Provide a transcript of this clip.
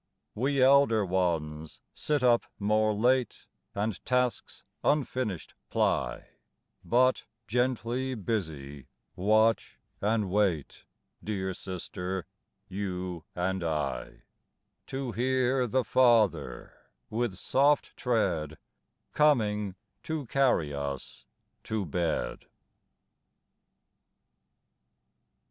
We, elder ones, sit up more late, And tasks unfinished ply, But, gently busy, watch and wait Dear sister, you and I, To hear the Father, with soft tread, Coming to carry us to bed.